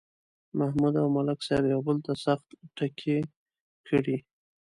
محمود او ملک صاحب یو بل ته سخت ټکي کړي.